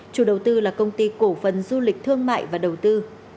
chủ đầu tư là công ty cổ phần du lịch thương mại và đầu tư